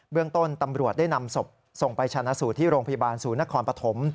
เรื่องต้นตำรวจได้นำศพส่งไปชนะสูตรที่โรงพยาบาลศูนย์นครปฐม